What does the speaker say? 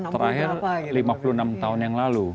terakhir lima puluh enam tahun yang lalu